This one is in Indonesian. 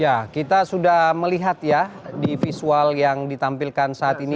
ya kita sudah melihat ya di visual yang ditampilkan saat ini